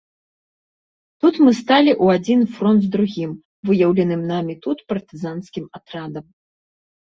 Тут мы сталі ў адзін фронт з другім, выяўленым намі тут партызанскім атрадам.